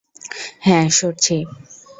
হ্যাঁ, সরছি।